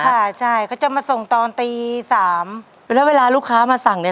ค่ะใช่เขาจะมาส่งตอนตีสามแล้วเวลาลูกค้ามาสั่งเนี่ย